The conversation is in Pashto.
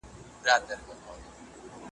د کافي پیالې ته ناست دی په ژړا دی .